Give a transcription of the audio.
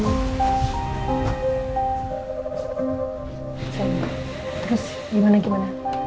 terus gimana gimana